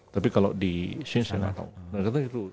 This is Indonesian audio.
tapi kalau di sini saya nggak tahu